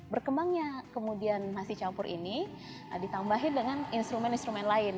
berkembangnya kemudian nasi campur ini ditambahin dengan instrumen instrumen lain